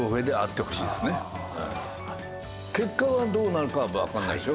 結果はどうなるかはわかんないですよ。